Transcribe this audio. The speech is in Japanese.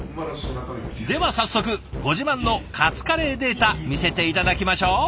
では早速ご自慢のカツカレーデータ見せて頂きましょう。